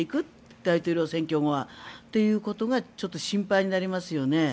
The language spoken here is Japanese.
大統領選挙後はということが心配になりますよね。